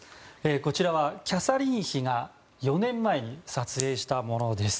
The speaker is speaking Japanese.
こちらはキャサリン妃が４年前に撮影したものです。